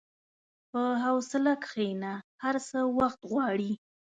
په حوصله کښېنه، هر څه وخت غواړي.